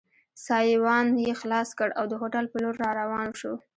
سایوان یې خلاص کړ او د هوټل په لور را روان شو.